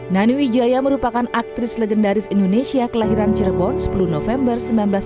nani wijaya merupakan aktris legendaris indonesia kelahiran cirebon sepuluh november seribu sembilan ratus sembilan puluh